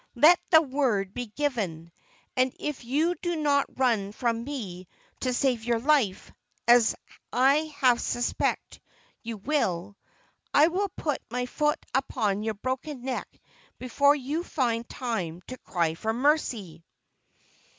Let the word be given, and if you do not run from me to save your life, as I half suspect you will, I will put my foot upon your broken neck before you find time to cry for mercy!"